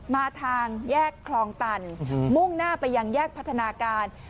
มาทางแยกคลองตันมุ่งหน้าไปยังแยกพัฒนาการ